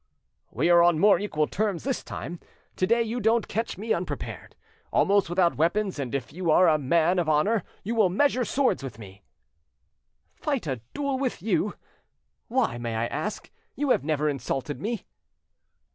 "We are on more equal terms this time; to day you don't catch me unprepared, almost without weapons, and if you are a man of honour you will measure swords with me." "Fight a duel with you! why, may I ask? You have never insulted me."